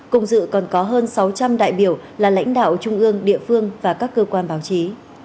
cùng dự còn có hơn sáu trăm linh đại biểu là lãnh đạo trung ương địa phương và các cơ quan báo chí